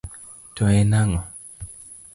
To en ang'o?